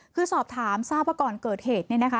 คือสอบถามทราบว่าก่อนเกิดเหตุเนี่ยนะคะ